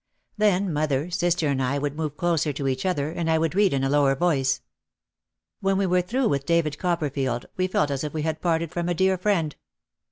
Then mother, sister and I would move closer to each other and I would read in a lower voice. OUT OF THE SHADOW 191 When we were through with David Copperfield we felt as if we had parted from a dear friend.